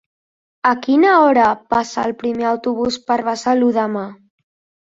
A quina hora passa el primer autobús per Besalú demà?